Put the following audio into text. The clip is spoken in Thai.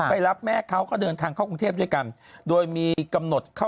รับแม่เขาก็เดินทางเข้ากรุงเทพด้วยกันโดยมีกำหนดเข้า